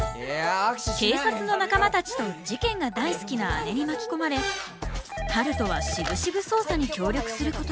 警察の仲間たちと事件が大好きな姉に巻き込まれ春風はしぶしぶ捜査に協力することに。